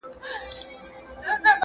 هیوادونه کله د پناه غوښتونکو حقونه پیژني؟